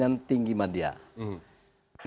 yang sedang menduduki pimpinan tinggi media